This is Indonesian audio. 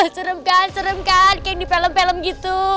serem kan serem kan kayak di film film gitu